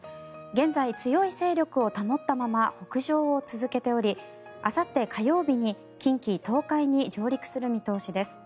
現在、強い勢力を保ったまま北上を続けておりあさって火曜日に近畿・東海に上陸する見通しです。